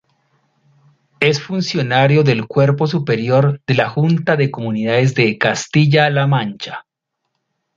Es funcionario del cuerpo superior de la Junta de Comunidades de Castilla-La Mancha.